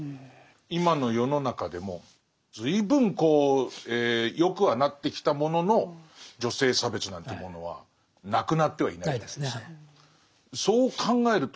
今の世の中でも随分こう良くはなってきたものの女性差別なんていうものはなくなってはいないですね。